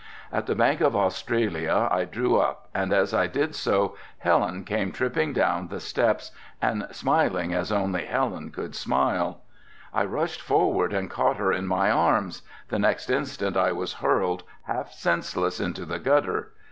At the Bank of Australia I drew up and as I did so Helen came tripping down the steps and smiling as only Helen could smile. I rushed forward and caught her in my arms, the next instant I was hurled half senseless into the gutter.